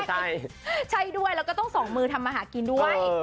ใช่ใช่ด้วยแล้วก็ต้องส่องมือทำมาหากินด้วย